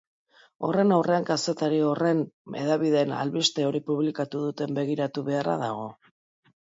Horren aurrean, kazetari horren hedabidean albiste hori publikatu duten begiratu beharra dago.